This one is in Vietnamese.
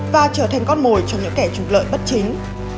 và trở thành con mồi cho những kẻ trục lợi bất chính